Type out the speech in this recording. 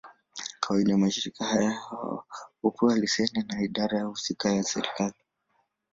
Kawaida, mashirika haya hupewa leseni na idara husika ya serikali.